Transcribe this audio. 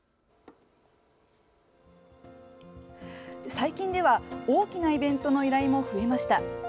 最近では大きなイベントの依頼も増えました。